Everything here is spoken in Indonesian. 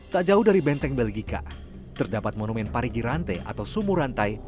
tak jauh dari benteng belgika terdapat monumen parigirante atau sumurantai